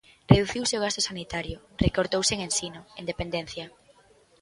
Reduciuse o gasto sanitario, recortouse en ensino, en dependencia.